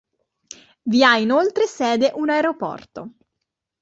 Vi ha inoltre sede un aeroporto.